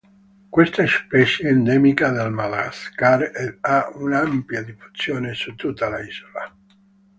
Questa specie è endemica del Madagascar ed ha un'ampia diffusione su tutta l'isola.